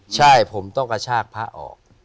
ใช่ผมต้องกระชากพระออก